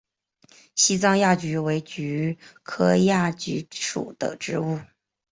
西藏亚菊为菊科亚菊属的植物。